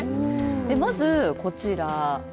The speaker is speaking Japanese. まずこちら。